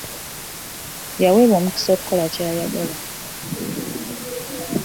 Yaweebwa omukisa okukola ky'ayagala.